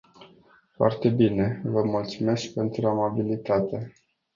Foarte bine, vă mulțumesc pentru amabilitate.